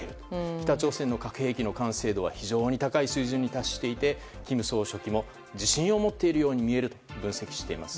北朝鮮の核兵器の完成度は非常に高い水準に達していて金総書記も自信を持っているように見えると分析しています。